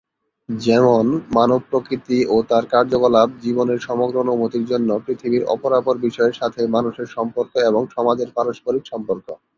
যেমন, মানব প্রকৃতি ও তার কার্যকলাপ, জীবনের সমগ্র অনুভূতির জন্য পৃথিবীর অপরাপর বিষয়ের সাথে মানুষের সম্পর্ক এবং সমাজের পারস্পরিক সম্পর্ক।